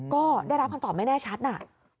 ก็ได้รับคำตอบไม่แน่ชัดน่ะ